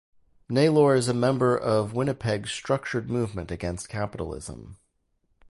Naylor is a member of Winnipeg's Structured Movement Against Capitalism.